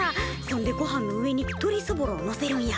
そんでごはんの上にとりそぼろをのせるんや。